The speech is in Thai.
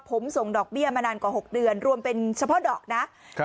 ผมส่งดอกเบี้ยมานานกว่า๖เดือนรวมเป็นเฉพาะดอกนะครับ